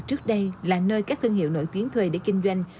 trước đây là nơi các thương hiệu nổi tiếng thuê để kinh doanh